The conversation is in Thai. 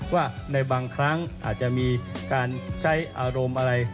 ว่าในบางครั้งอาจจะมีการใช้อารมณ์อะไร